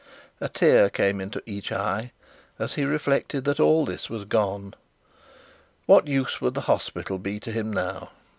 A tear came into his eyes as he reflected that all this was gone. What use would the hospital be to him now?